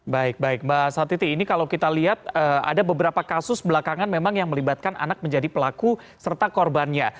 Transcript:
baik baik mbak satiti ini kalau kita lihat ada beberapa kasus belakangan memang yang melibatkan anak menjadi pelaku serta korbannya